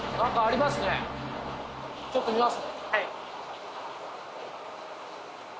ちょっと見ますね。